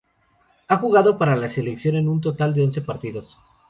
Ha jugado para la selección un total de once partidos.